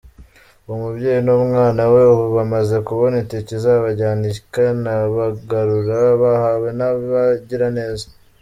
Uwo mubyeyi n’umwana we ubu bamaze kubona itike izabajyana ikanabagarura bahawe n’abagiraneza.